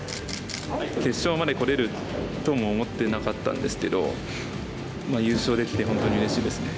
決勝までこれるとも思ってなかったんですけど優勝できて本当にうれしいですね。